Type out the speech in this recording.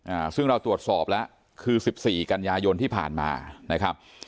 อ่าซึ่งเราตรวจสอบแล้วคือสิบสี่กันยายนที่ผ่านมานะครับ